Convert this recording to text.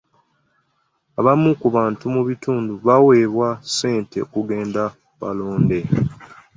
Abamu ku bantu m kitundu baaweebwa ssente okugenda balonde.